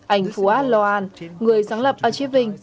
ảnh phua loan người sáng lập archiving